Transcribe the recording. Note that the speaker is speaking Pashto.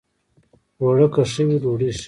اوړه که ښه وي، ډوډۍ ښه وي